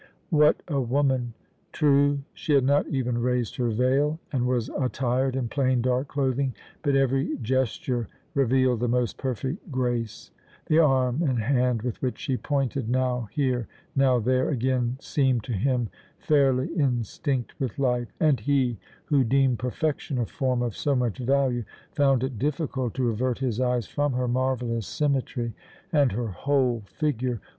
What a woman! True, she had not even raised her veil, and was attired in plain dark clothing, but every gesture revealed the most perfect grace. The arm and hand with which she pointed now here, now there, again seemed to him fairly instinct with life; and he, who deemed perfection of form of so much value, found it difficult to avert his eyes from her marvellous symmetry. And her whole figure!